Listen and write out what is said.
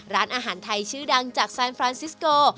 ร้านอาหารไทยชื่อดังจากซานฟรานซิสโก